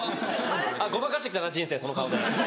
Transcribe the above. あっごまかして来たな人生その顔で。